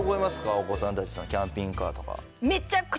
お子さんたちキャンピングカーとか。